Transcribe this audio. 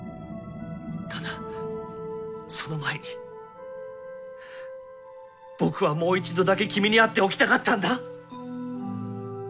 ただその前に僕はもう一度だけ君に会っておきたかったんだ。